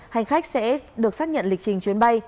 hành khách sẽ được xác nhận lịch trình chuyến bay